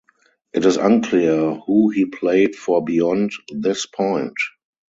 It is unclear who he played for beyond this point.